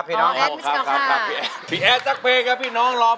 พี่น้องวันนี้พี่แอดมาคนเดียว